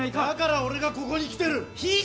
だから俺がここに来てる！